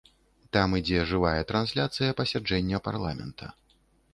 Там ідзе жывая трансляцыя пасяджэння парламента.